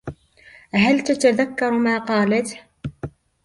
هل تتذكر ما قالته ؟